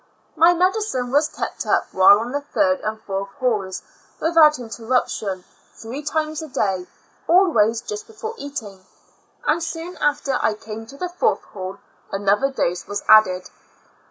My mediciue was kept up while on the third and fourth halls without interruption three times a day, always just before eating; and soon after I came to the fourth hall, another dose was added.